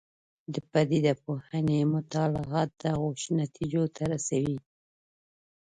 د پدیده پوهنې مطالعات دغو نتیجو ته رسوي.